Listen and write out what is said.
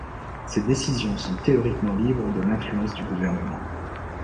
Ses décisions sont théoriquement libres de l'influence du gouvernement.